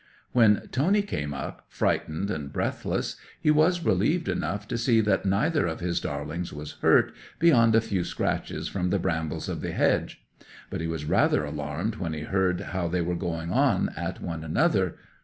'When Tony came up, frightened and breathless, he was relieved enough to see that neither of his darlings was hurt, beyond a few scratches from the brambles of the hedge. But he was rather alarmed when he heard how they were going on at one another.